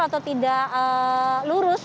atau tidak lurus